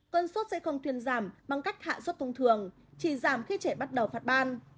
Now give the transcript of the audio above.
cơn suất sẽ không thuyền giảm bằng cách hạ suất thông thường chỉ giảm khi trẻ bắt đầu phát ban